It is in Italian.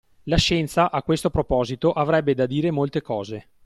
La scienza, a questo proposito avrebbe da dire molte cose